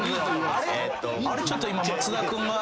ちょっと今松田君が。